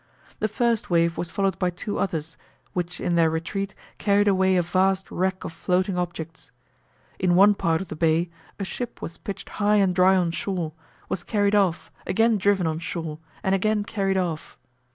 The first wave was followed by two others, which in their retreat carried away a vast wreck of floating objects. In one part of the bay, a ship was pitched high and dry on shore, was carried off, again driven on shore, and again carried off.